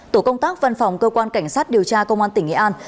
tổ công tác văn phòng cơ quan cảnh sát điều tra công an tỉnh nghệ an